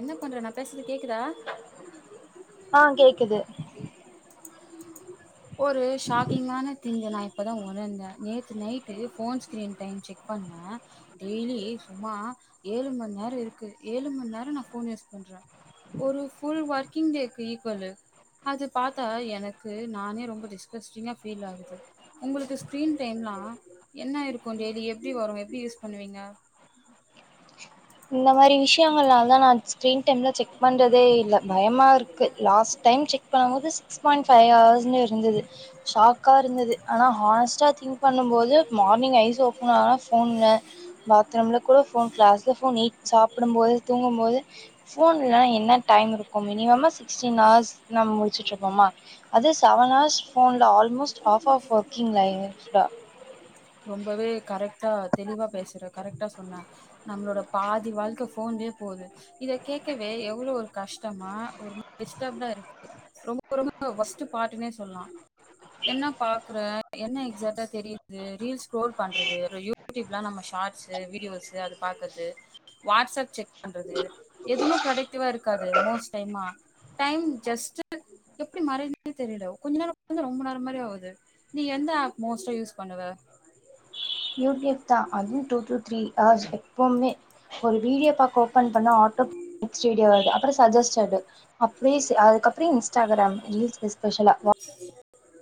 என்ன பண்ற நா பேசுறது கேக்குதா ஆ கேக்குது ஒரு ஷாக்கிங்கான திங்குனா இப்போதா உணர்ந்தே நேத்து நைட்டு ஃபோன் ஸ்க்ரீன் டைம்ச்செக் பண்ணா டெய்லி சும்மா ஏழுமண் நேரோ இருக்கு ஏழுமண் நேரோ நா ஃபோன் யூஸ் பண்றே ஒரு ஃபுல் ஒர்க்கிங் டேக்கு ஈக்குவலு அது பாத்தா எனக்கு நானே ரொம்ப டிஸ்கஸ்டிங்கா ஃபீல் ஆகுது உங்குளுக்கு ஸ்கிரீன் டைம்லா என்ன இருக்கு டெய்லி எப்டி வரு எப்டி யூஸ் பண்ணுவீங்க இந்த மாதிரி விஷயங்களாலதா நா ஸ்கிரீன் டைம்லா செக் பண்றதே இல்ல பயமா இருக்கு லாஸ்ட் டைம் செக் பண்ணும்போது சிக்ஸ் பாய்ண்ட் ஃபைவ் ஹவர்ஸ்னு இருந்தது ஷாக்கா இருந்தது ஆனா ஹானஸ்ட்டா திங்க் பண்ணும்போது மார்னிங் ஐஸ் ஓப்பன் ஆனா ஃபோன்ல பாத்ரூம்ல கூட ஃபோன் க்ளாஸ்ல ஃபோன் நைட் சாப்புடும்போது தூங்கும்போது ஃபோன்ல என்ன டைம் இருக்கு மினிம்மமா சிக்ஸ்டீன் ஹார்ஸ் நம்ம முழிச்சிட்ருப்போமா அது செவன் ஹார்ஸ் ஃபோன்ல almost half half working line extra ரொம்பவே கரெக்டா தெளிவா பேசுற கரெக்டா சொன்ன நம்மளோட பாதி வாழ்க்க ஃபோன்லே போது இத கேட்கவே எவ்ளோ ஒரு கஷ்டமா ஒரு மா டிஸ்டபர்டா இருக்கு ரொம்ப ரொம்ப ஒஸ்ட்டு பாட்டுனே சொல்லலா என்னா பாக்கற என்ன எக்ஸாக்ட்டா தெரியுது ரீல்ஸ் ஸ்கரோல் பண்றது அப்றோ யூ யூடியூப்லா நம்ம ஷார்ட்ஸு வீடியோஸு அத பாக்கறது வாட்ஸ்அப் செக் பண்றது எதுமே ப்ரொடக்டிவா இருக்காது மோஸ்ட் டைமா டைம் ஜஸ்ட்டு எப்புடி மறையிதுன்னே தெரியில கொஞ்ச நேர உக்காந்த ரொம்ப நேர மாரி ஆவுது நீ எந்த ஆப் மோஸ்ட்டா யூஸ் பண்ணுவ யூடியூப் தா அது டூ டூ த்ரீ ஹார்ஸ் எப்பவுமே இப்ப ஒரு வீடியோ பாக்க ஓபன் பண்ணா ஆட்டோ நெக்ஸ்ட்டு வீடியோ வருது அப்புறோ சஜஸ்டடு அப்டேஸ் அதுக்கப்புற இன்ஸ்டாகிராம் ரீல்ஸ் எஸ்பெஷலா [inaudible]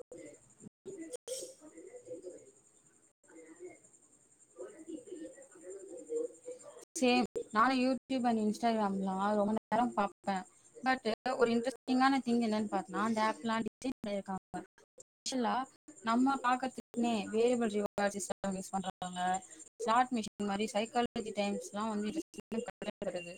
சேம் நானு யூடியூப் அண்ட் இன்ஸ்டாகிராம்ல்லா ரொம்ப நேரோ பாப்ப பட் ஒரு இன்ட்ரெஸ்டிங்கான திங் என்னன்னு பாத்தினா அந்த ஆப்ல்லா டிட்டிட் பண்ணி இருக்காங்க ஆக்சுவலா நம்ம பாக்கறதுக்குன்னே [unintelligible] பண்றாங்க சார்ட் மிஷின் மாரி சைக்காலஜி டைம்ஸ்ல்லா வந்து [unintelligible]